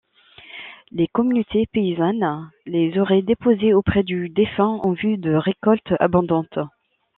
Les communautés paysannes les auraient déposées auprès du défunt en vue de récoltes abondantes.